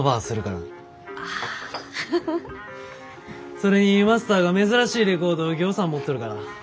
それにマスターが珍しいレコードをぎょうさん持っとるから。